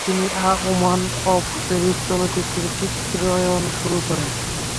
তিনি a woman of Paris চলচ্চিত্রের চিত্রায়ন শুরু করেন।